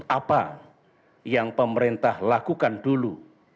apa yang pemerintah lakukan dulu